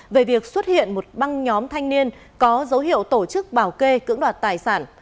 về việc xuất hiện một băng nhóm thanh niên có dấu hiệu tổ chức bảo kê cưỡng đoạt tài sản